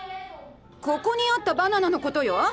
ここにあったバナナのことよ。